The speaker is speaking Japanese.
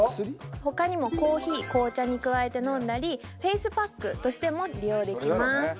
他にもコーヒー紅茶に加えて飲んだりフェイスパックとしても利用できます